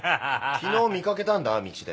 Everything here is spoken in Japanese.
昨日見掛けたんだ道で。